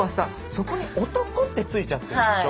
そこに男ってついちゃってるでしょ。